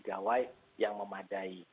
gawai yang memadai